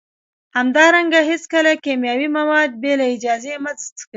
همدارنګه هیڅکله کیمیاوي مواد بې له اجازې مه څکئ